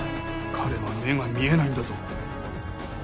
彼は目が見えないんだぞ